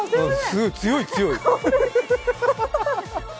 強い強い。